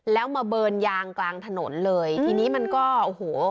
แล้วมาเบิร์นยางกลางถนนเลยทีนี้มันก็โอ้โห